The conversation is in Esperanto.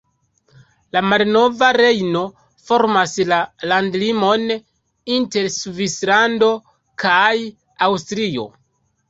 La malnova Rejno formas la landlimon inter Svislando kaj Aŭstrio.